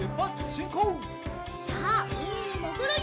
さあうみにもぐるよ！